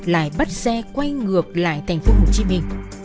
lại bắt xe quay ngược lại thành phố hồ chí minh